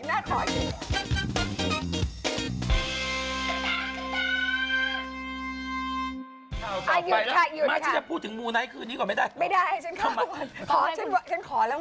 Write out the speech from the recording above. พี่เมี๊ยววันนี้ไปทุกร้าน